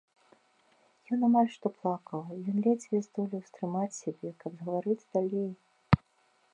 Ён амаль што плакаў, ён ледзьве здолеў стрымаць сябе, каб гаварыць далей.